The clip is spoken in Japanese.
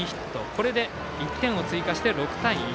これで１点を追加して６対１。